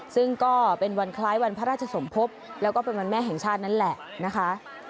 ซึ่งก็เป็นวันคล้ายวันพระราชสมภพแล้วก็เป็นวันแม่แห่งชาตินั่นแหละนะคะ